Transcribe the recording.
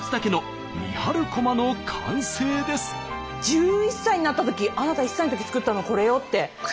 １１歳になったときあなた１歳のとき作ったのこれよって。